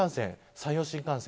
山陽新幹線